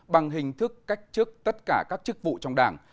bằng hình thức cách chức tất cả các chức vụ trong đảng